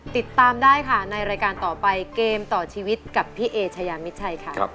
ติดตามได้ค่ะในรายการต่อไปเกมต่อชีวิตกับพี่เอชายามิดชัยค่ะ